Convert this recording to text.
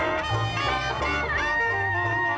เพลงที่๑๐ทรงโปรด